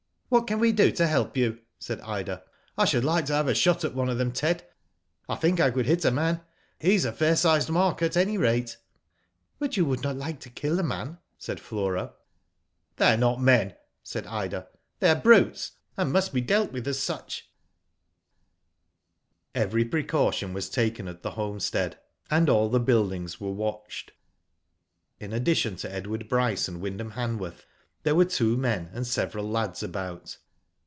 " What can we do to help you ?" said Ida. *' I should like to have a shot at one of them, Ted. I think I could hit a man. He's a fair sized mark at any ratie." "But you woul(} not like to kill a man," said JFlora. • Digitized byGoogk i66 WHO DID ITf ''They are not men/' said Ida. "They are brutes, and must be dealt with as such/' Every precaution was taken at the homestead, and all the buildings were watched. In addition to Edward Bryce and Wyndham Hanworth, there were two men and several lads about.